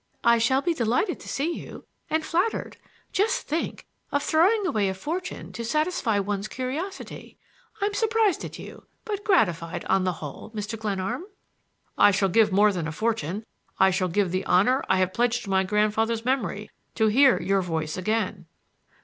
I shall be delighted to see you,—and flattered! Just think of throwing away a fortune to satisfy one's curiosity! I'm surprised at you, but gratified, on the whole, Mr. Glenarm!" "I shall give more than a fortune, I shall give the honor I have pledged to my grandfather's memory to hear your voice again."